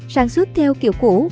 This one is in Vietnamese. sản xuất theo kiểu cũ